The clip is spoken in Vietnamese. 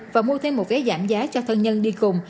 và mua thêm một vé giảm giá cho thân nhân đi cùng